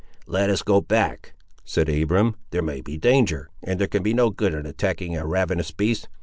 "Let us go back," said Abiram; "there may be danger, and there can be no good in attacking a ravenous beast.